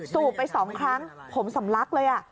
สูบไป๒ครั้งผมสำลักเลย